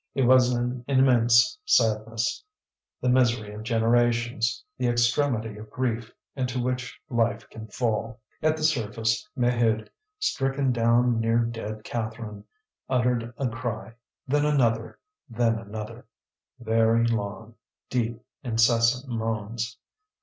It was an immense sadness, the misery of generations, the extremity of grief into which life can fall. At the surface, Maheude, stricken down near dead Catherine, uttered a cry, then another, then another very long, deep, incessant moans.